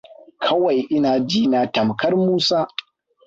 Kawai ina jina tamkar Musa.